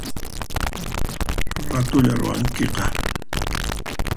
Ratullaya ruwankiqa